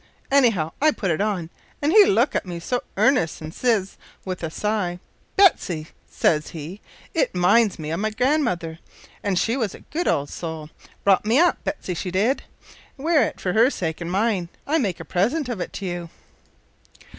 Anyhow I put it on, an' he looked at me so earnest an' ses with a sigh, `Betsy,' ses he, `it minds me o' my grandmother, an' she was a good old soul brought me up, Betsy, she did. Wear it for her sake an' mine. I make a present of it to you.'"